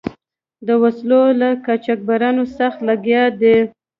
د وسلو له قاچبرانو سخت لګیا دي.